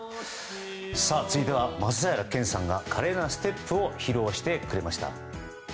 続いては松平健さんが華麗なステップを披露してくれました。